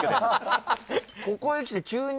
ここへきて急に？